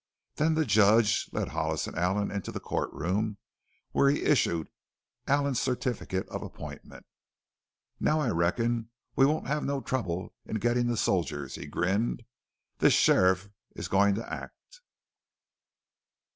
Then the judge led Hollis and Allen into the court room where he issued Allen's certificate of appointment. "Now, I reckon we won't have no trouble in gettin' the soldiers," he grinned. "This sheriff is goin' to act!"